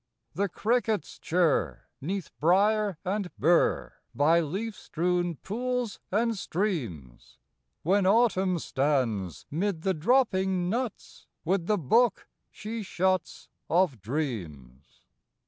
III. The crickets' chirr 'neath brier and burr, By leaf strewn pools and streams, When Autumn stands 'mid the dropping nuts, With the book, she shuts, Of dreams.